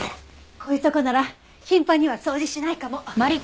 こういうとこなら頻繁には掃除しないかも。